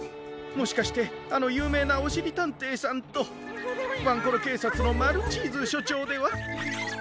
もしかしてあのゆうめいなおしりたんていさんとワンコロけいさつのマルチーズしょちょうでは？